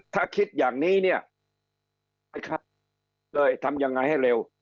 ถ้าคิดอย่างนี้เนี่ยเลยทำยังไงให้เร็ว